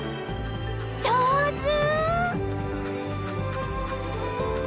上手！